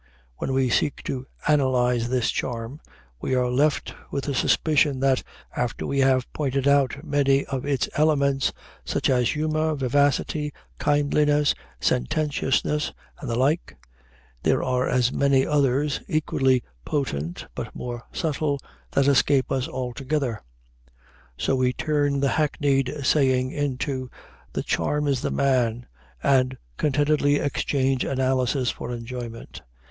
When we seek to analyze this charm, we are left with the suspicion that, after we have pointed out many of its elements, such as humor, vivacity, kindliness, sententiousness, and the like, there are as many others, equally potent but more subtle, that escape us altogether. So we turn the hackneyed saying into "the charm is the man," and contentedly exchange analysis for enjoyment.